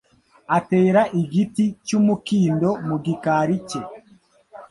atera igiti cy'umukindo mu gikari cye.